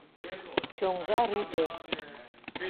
Чоҥга рӱдӧ